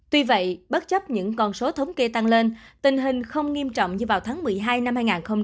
tuy vậy bất chấp những con số thống kê tăng lên tình hình không nghiêm trọng như vào tháng một mươi hai năm hai nghìn hai mươi ba